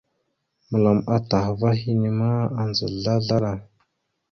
Məlam atah ava henne ma, adza slaslaɗa.